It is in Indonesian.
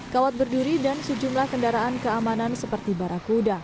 kawat berdiri dan sejumlah kendaraan keamanan seperti barakuda